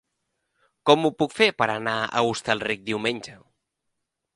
Com ho puc fer per anar a Hostalric diumenge?